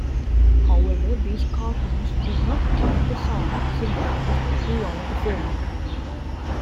However, these cartoons did not keep the sound synchronized throughout the film.